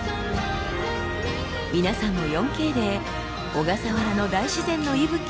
皆さんも４Ｋで小笠原の大自然の息吹を体感して下さい。